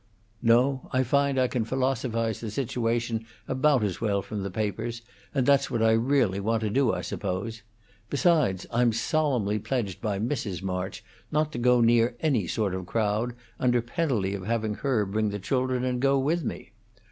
"No, I find I can philosophize the situation about as well from the papers, and that's what I really want to do, I suppose. Besides, I'm solemnly pledged by Mrs. March not to go near any sort of crowd, under penalty of having her bring the children and go with me.